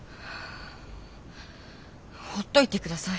ほっといてください。